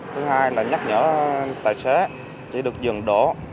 thứ hai là nhắc nhở tài xế chỉ được dừng đổ